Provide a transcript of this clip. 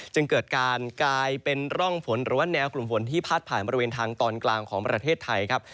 จึงเกิดการกลายเป็นร่องฝนหรือว่าแนวกลุ่มฝนที่พาดผ่านบริเวณทางตอนกลางของประเทศไทยครับ